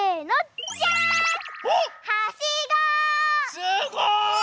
すごい！